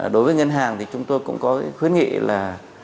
đối với ngân hàng thì chúng tôi cũng có khuyến nghị là